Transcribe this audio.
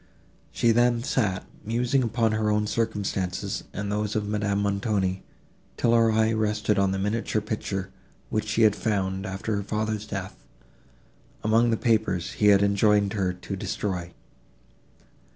She then sat, musing upon her own circumstances and those of Madame Montoni, till her eye rested on the miniature picture, which she had found, after her father's death, among the papers he had enjoined her to destroy.